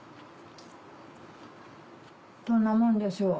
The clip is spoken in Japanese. どんなもんでしょう？